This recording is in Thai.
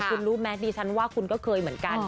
คุณรู้ไหมดิฉันว่าคุณก็เคยเหมือนกัน